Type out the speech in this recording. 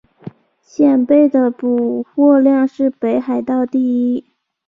蚬贝的补获量是北海道第一。